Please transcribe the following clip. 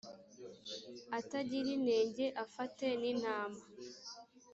atagira inenge afate n intama